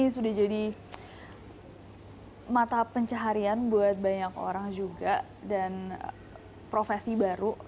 sudah jadi mata pencaharian buat banyak orang juga dan profesi baru